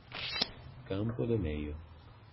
Campo do Meio